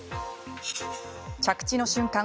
着地の瞬間